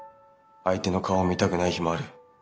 相手の顔を見たくない日もある。